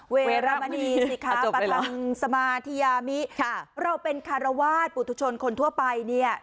เวรมณีสิคะประทังสมาธิยามิค่ะเราเป็นคารวาสปุธชนคนทั่วไปเนี่ย